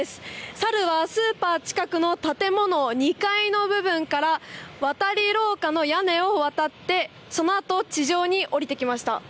サルはスーパー近くの建物２階の部分から渡り廊下の屋根を渡ってそのあと地上に降りてきました。